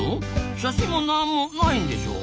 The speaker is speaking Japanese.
写真も何も無いんでしょ？